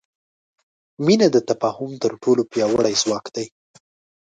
مینه د تفاهم تر ټولو پیاوړی ځواک دی.